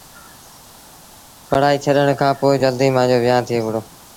پڙهآئيٚ ڇڏڻ کآݩ پو جلديٚ مآݩجو ويهآݩ ٿئي وُهڙو ۔